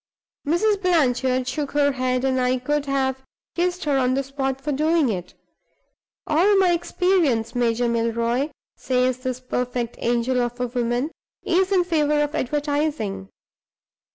Mrs. Blanchard shook her head; I could have kissed her on the spot for doing it. 'All my experience, Major Milroy,' says this perfect angel of a woman, 'is in favor of advertising.